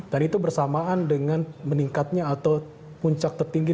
dan itu bersamaan dengan meningkatnya atau puncak tertinggi